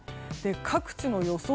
各地の予想